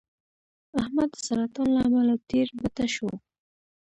احمد د سرطان له امله ډېر بته شو.